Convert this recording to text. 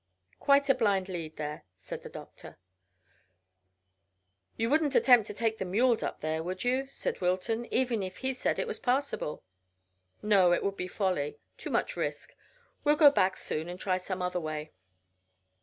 "Quite a blind lead there," said the doctor. "You wouldn't attempt to take the mules up there, would you," said Wilton, "even if he said it was passable?" "No, it would be folly; too much risk. We'll go back soon, and try some other way."